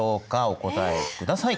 お答えください。